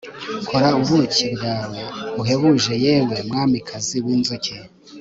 Kora ubuki bwawe buhebuje yewe mwamikazi winzuki